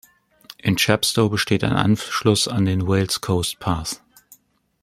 In Chepstow besteht ein Anschluss an den Wales Coast Path.